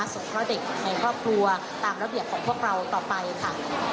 ส่งเคราะห์เด็กในครอบครัวตามระเบียบของพวกเราต่อไปค่ะ